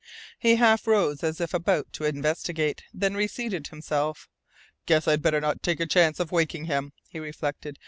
He half rose, as if about to investigate, then reseated himself. "Guess I'd better not take a chance of waking him," he reflected.